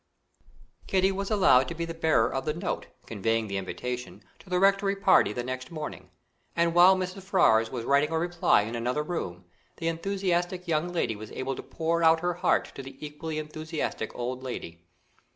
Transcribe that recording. Kitty was allowed to be the bearer of the note, conveying the invitation, to the Rectory party the next morning; and while Mrs. Ferrars was writing a reply in another room, the enthusiastic young lady was able to pour out her heart to the equally enthusiastic old lady.